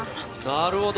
なるほど。